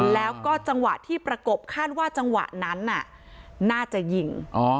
แล้วก็จังหวะที่ประกบคาดว่าจังหวะนั้นน่าจะยิง